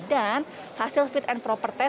dan hasil fit and propernya adalah